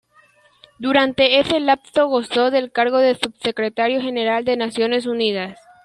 Durante ese lapso gozó del cargo de Subsecretario General de Naciones Unidas.